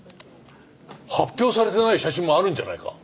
発表されてない写真もあるんじゃないか？